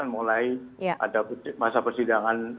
mulai ada masa persidangan